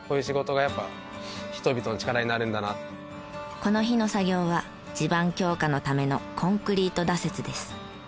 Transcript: この日の作業は地盤強化のためのコンクリート打設です。